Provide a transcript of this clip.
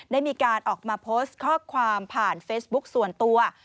ได้มีการออกมาโพสต์ข้อความผ่านเฟซบุ๊คส่วนตัว